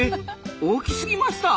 大きすぎました？